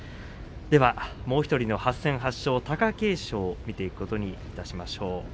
もう１人の８戦８勝貴景勝を見ていくことにいたしましょう。